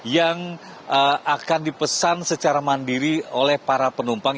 yang akan dipesan secara mandiri oleh para penumpang